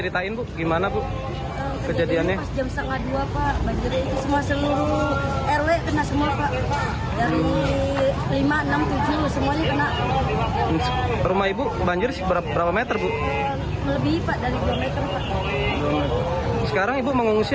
tapi keluarga masih ada yang di dalam rumah